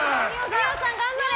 二葉さん、頑張れ！